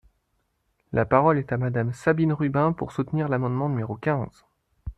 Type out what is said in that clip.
La parole est à Madame Sabine Rubin, pour soutenir l’amendement numéro quinze.